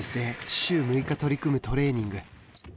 週６日取り組むトレーニング。